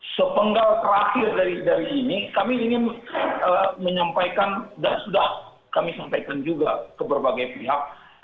sepenggal terakhir dari ini kami ingin menyampaikan dan sudah kami sampaikan juga ke berbagai pihak